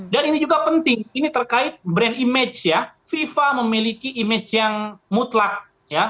dan ini juga penting ini terkait brand image ya fifa memiliki image yang mutlak ya